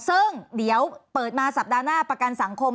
ซึ่งเดี๋ยวเปิดมาสัปดาห์หน้าประกันสังคม